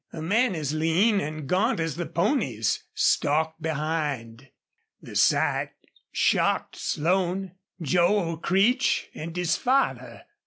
A man as lean and gaunt as the ponies stalked behind. The sight shocked Slone. Joel Creech and his father!